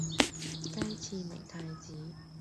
雞翅明太子